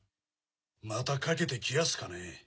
またかけてきやすかねぇ？